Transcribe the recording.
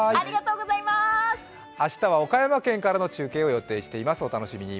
明日は岡山県からの中継を予定しています、お楽しみに。